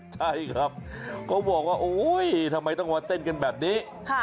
ใช่ครับเขาบอกว่าโอ๊ยทำไมต้องมาเต้นกันแบบนี้